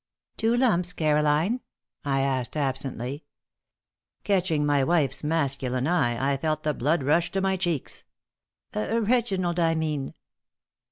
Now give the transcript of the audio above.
"Two lumps, Caroline?" I asked, absently. Catching my wife's masculine eye, I felt the blood rush to my cheeks. "Reginald, I mean!"